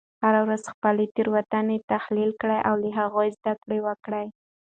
هره ورځ خپلې تیروتنې تحلیل کړه او له هغوی زده کړه وکړه.